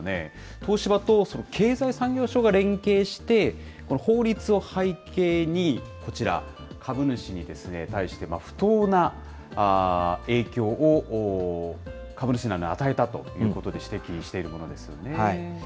東芝とその経済産業省が連携して、法律を背景に、こちら、株主に対して不当な影響を株主らに与えたということで、指摘しているものですよね。